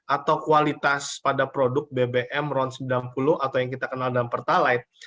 atau kualitas pada produk bbm ron sembilan puluh atau yang kita kenal dalam pertalite